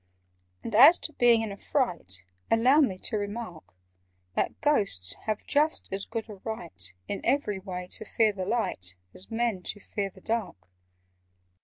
"And as to being in a fright, Allow me to remark That Ghosts have just as good a right In every way, to fear the light, As Men to fear the dark."